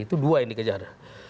itu dua yang dikejar